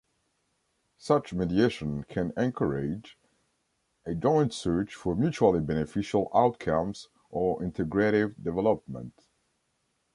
Such mediation can encourage a joint search for mutually beneficial outcomes or integrative development.